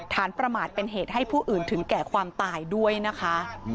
ประมาทเป็นเหตุให้ผู้อื่นถึงแก่ความตายด้วยนะคะ